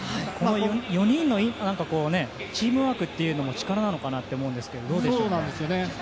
４人のチームワークというのも力かなと思うんですけどどうなんでしょうか？